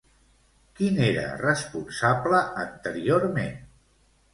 Qui n'era responsable anteriorment?